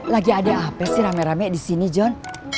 lagi ada apa sih rame rame disini john